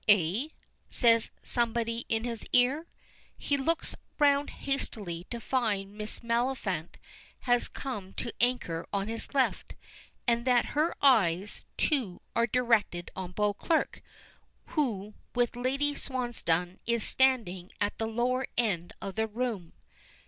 "Eh?" says somebody at his ear. He looks round hastily to find Miss Maliphant has come to anchor on his left, and that her eyes, too, are directed on Beauclerk, who with Lady Swansdown is standing at the lower end of the room.